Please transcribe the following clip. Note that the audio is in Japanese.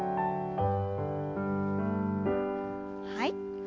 はい。